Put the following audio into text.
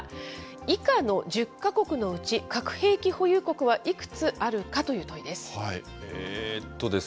以下の１０か国のうち、核兵器保有国はいくつあるかという問いです。